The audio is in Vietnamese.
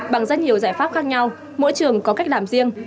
bằng rất nhiều giải pháp khác nhau mỗi trường có cách làm riêng